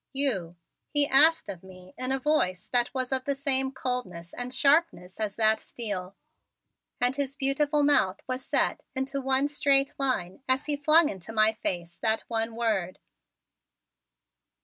"You?" he asked of me in a voice that was of the same coldness and sharpness as that steel, and his beautiful mouth was set into one straight line as he flung into my face that one word.